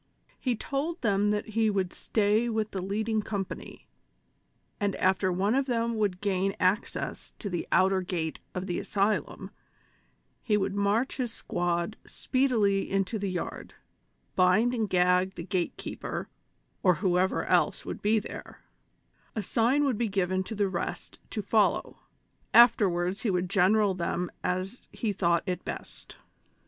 He told them that he would stay with the leading company, and after one of them would gain access to the outer gate of the asylum he would march his squad spee dily into the yard, bind and gag the gate keeper, or who ever else would be there ; a signal would be given to the rest to follow, afterwards he would general them as he thought it best